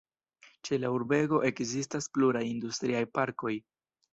Ĉe la urbego ekzistas pluraj industriaj parkoj.